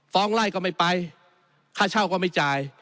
ไล่ก็ไม่ไปค่าเช่าก็ไม่จ่าย